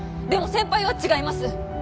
でも先輩は違います。